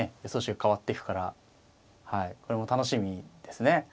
予想手が変わっていくからこれも楽しみですね。